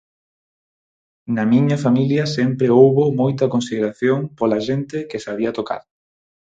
Na miña familia sempre houbo moita consideración pola xente que sabía tocar.